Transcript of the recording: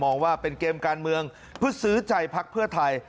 ว่าเป็นเกมการเมืองเพื่อซื้อใจพักเพื่อไทย